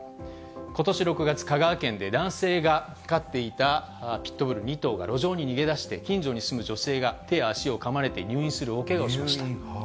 ことし６月、香川県で男性が飼っていたピットブル２頭が路上に逃げ出して、近所に住む女性が手や足をかまれて入院する大けがをしました。